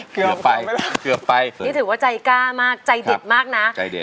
เกือบไปเกือบไปนี่ถือว่าใจกล้ามากใจเด็ดมากนะใจเด็ด